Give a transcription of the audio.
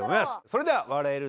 それでは「笑える！